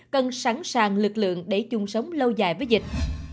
cần sẵn sàng lực lượng để chung sống lâu dài với dịch